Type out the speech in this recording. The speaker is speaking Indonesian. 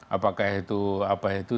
apakah itu apa itu